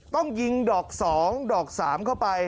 ต้องยิงดอกสองดอกสามเข้าไป